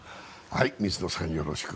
水野さん、よろしく。